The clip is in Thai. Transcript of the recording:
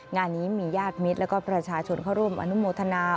งานนี้มีญาติมิตรแล้วก็ประชาชนเข้าร่วมอนุโมทนา